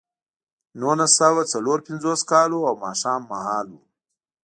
نولس سوه څلور پنځوس کال و او ماښام مهال و